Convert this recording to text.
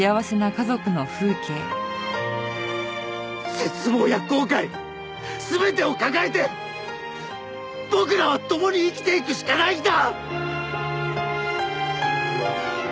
絶望や後悔全てを抱えて僕らは共に生きていくしかないんだ！